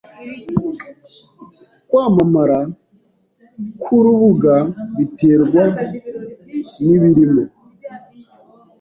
Kwamamara kwurubuga biterwa nibirimo.